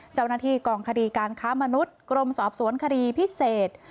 เจ้าหน้าที่กองคดีการค้ามนุษย์กรมสอบสวนคดีพิเศษ